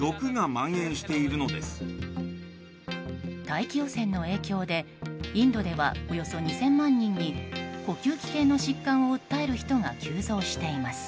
大気汚染の影響でインドではおよそ２０００万人に呼吸器系の疾患を訴える人が急増しています。